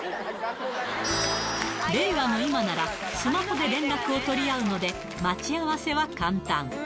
令和の今なら、スマホで連絡を取り合うので、待ち合わせは簡単。